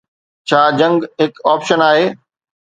ڇا جنگ هڪ آپشن آهي؟